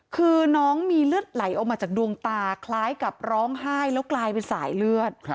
คือน้องมีเลือดไหลออกมาจากดวงตาคล้ายกับร้องไห้แล้วกลายเป็นสายเลือด